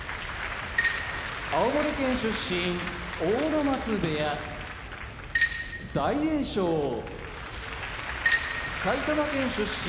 青森県出身阿武松部屋大栄翔埼玉県出身